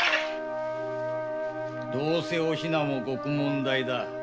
どうせお比奈も獄門台だ。